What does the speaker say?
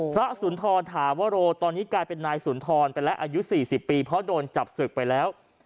สุนทรถาวโรตอนนี้กลายเป็นนายสุนทรไปแล้วอายุ๔๐ปีเพราะโดนจับศึกไปแล้ว